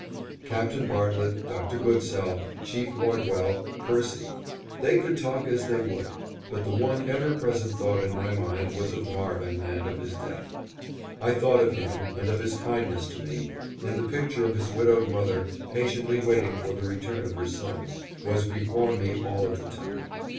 Captain Bartlett, Dr. Goodsell, Chief Wardwell, Percy they could talk as they would; but the one ever present thought in my mind was of Marvin, and of his death. I thought of him, and of his kindness to me; and the picture of his widowed mother, patiently waiting the return of her son, was before me all of the time.